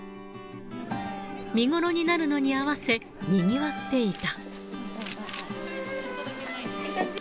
見頃になるのに合わせ、にぎわっていた。